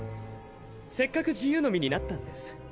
せっかく自由の身になったんです。